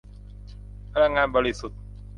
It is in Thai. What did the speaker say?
พลังงานบริสุทธิ์